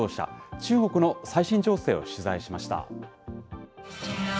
中国の最新情勢を取材しました。